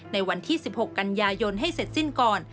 ในวันที่๑๖กันยายนให้เสร็จสิ้นก่อน